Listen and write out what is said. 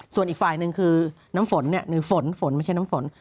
ส่วนอีกฝ่ายหนึ่งคือน้ำฝนหรือฝนฝนไม่ใช่น้ำฝน